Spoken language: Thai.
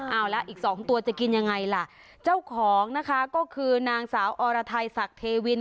เอาละอีกสองตัวจะกินยังไงล่ะเจ้าของนะคะก็คือนางสาวอรไทยศักดิ์เทวิน